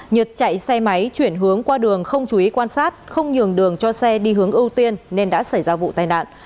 nhật chạy xe máy chuyển hướng qua đường không chú ý quan sát không nhường đường cho xe đi hướng ưu tiên nên đã xảy ra vụ tai nạn